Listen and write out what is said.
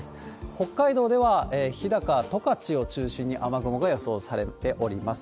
北海道では日高、十勝を中心に雨雲が予想されております。